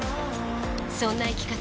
そんな生き方